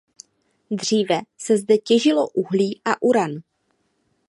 Dříve se zde těžilo uhlí a uran.